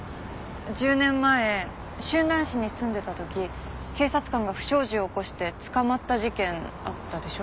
１０年前春蘭市に住んでた時警察官が不祥事を起こして捕まった事件あったでしょ？